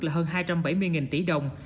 là hơn hai trăm bảy mươi tỷ đồng